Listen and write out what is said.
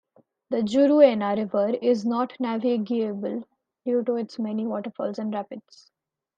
The Juruena River is not navigable due to its many waterfalls and rapids.